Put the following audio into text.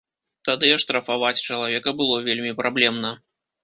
Тады аштрафаваць чалавека было вельмі праблемна.